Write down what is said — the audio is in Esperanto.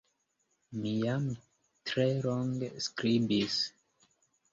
Mi jam tre longe skribis.